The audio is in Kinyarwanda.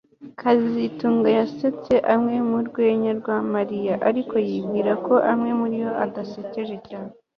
kazitunga yasetse amwe mu rwenya rwa Mariya ariko yibwira ko amwe muri yo adasekeje cyane